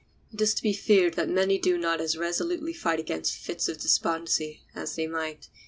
It is to be feared that many do not as resolutely fight against fits of despondency as they might.